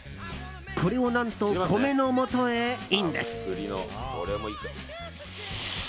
これを何と、米のもとへインです。